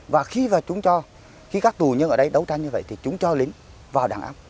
và khi các tù nhân ở đây đấu tranh như vậy thì chúng cho lính vào đảng áp